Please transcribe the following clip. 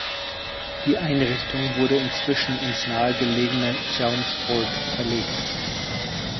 Die Einrichtung wurde inzwischen ins nahe gelegene Chelmsford verlegt.